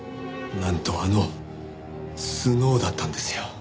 なんとあのスノウだったんですよ。